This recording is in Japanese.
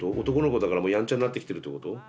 男の子だからもうやんちゃになってきてるってこと？